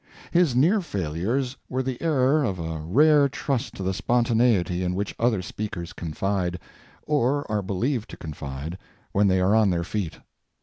His near failures were the error of a rare trust to the spontaneity in which other speakers confide, or are believed to confide, when they are on their feet.